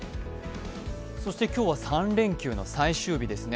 そして、今日は３連休の最終日ですね。